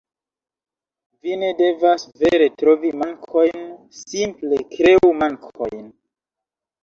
Vi ne devas vere trovi mankojn, simple kreu mankojn.